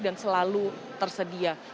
dan selalu tersedia